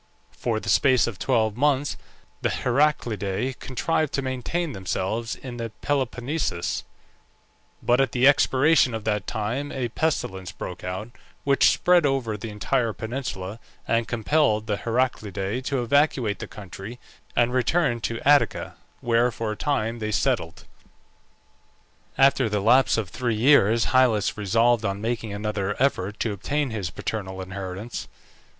For the space of twelve months the Heraclidae contrived to maintain themselves in the Peloponnesus; but at the expiration of that time a pestilence broke out, which spread over the entire peninsula, and compelled the Heraclidae to evacuate the country and return to Attica, where for a time they settled. After the lapse of three years Hyllus resolved on making another effort to obtain his paternal inheritance.